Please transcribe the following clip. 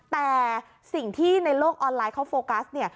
แต่สิ่งที่ในโลกออนไลน์เขาโฟกัสเนี่ย